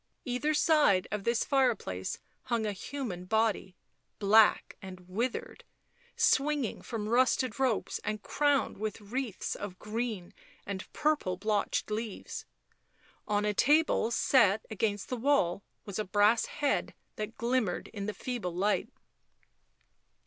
Either side of this fireplace hung a human body, black and withered, swinging from rusted ropes and crowned with wreaths of green and purple blotched leaves. On a table set against the wall was a brass head that glimmered in the feeble light.